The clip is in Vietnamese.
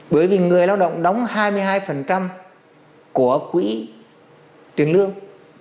bởi vì người lao động đóng hai mươi hai của quỹ tiền lương